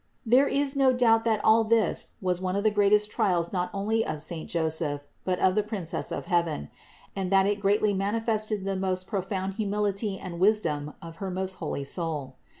There is no doubt that all this was one of the greatest trials not only of saint Joseph, but of the Princess of heaven, and that it greatly manifested the most profound humility and wisdom of her most holy soul.